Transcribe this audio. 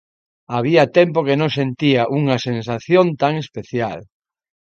"Había tempo que non sentía unha sensación tan especial.